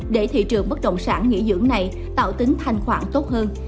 để thị trường bất động sản nghỉ dưỡng này tạo tính thanh khoản tốt hơn